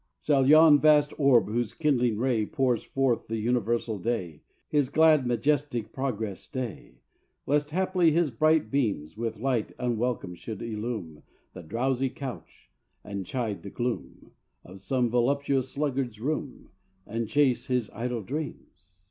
Shall yon vast orb whose kindling ray Pours forth the universal day His glad, majestic progress stay, Lest, haply, his bright beams With light unwelcome should illume The drowsy couch, and chide the gloom Of some voluptuous sluggard's room, And chase his idle dreams?